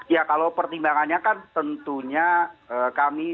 ya kalau pertimbangannya kan tentunya kami